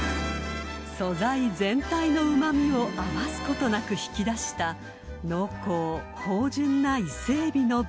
［素材全体のうま味を余すことなく引き出した濃厚芳醇な］